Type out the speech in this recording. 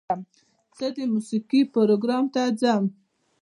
زه د موسیقۍ پروګرام ته ځم.